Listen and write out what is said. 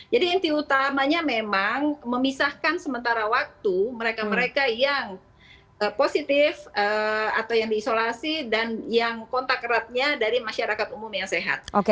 jadi inti utamanya memang memisahkan sementara waktu mereka mereka yang positif atau yang diisolasi dan yang kontak eratnya dari masyarakat umum yang sehat